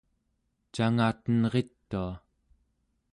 cangatenritua